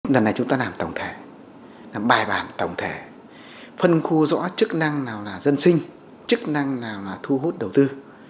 lần này chúng ta làm tổng thể làm bài bản tổng thể phân khu rõ chức năng nào là dân sinh chức năng nào là thu hút đầu tư